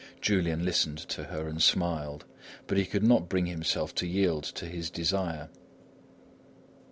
Julian listened to her and smiled, but he could not bring himself to yield to his desire.